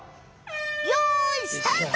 よいスタート！